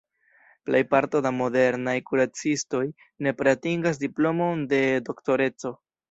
Plejparto da modernaj kuracistoj nepre atingas diplomon de Doktoreco.